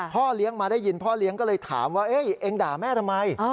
พ่อเลี้ยงมาได้ยินพ่อเลี้ยงก็เลยถามว่าเองด่าแม่ทำไม